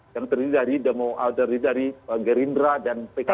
yang terdiri dari gerindra dan pkb